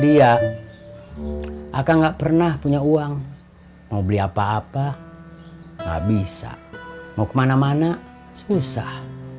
dia akan nggak pernah punya uang mau beli apa apa nggak bisa mau kemana mana susah